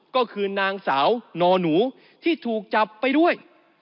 ก็คือนางสาวนอหนูที่ถูกจับไปด้วย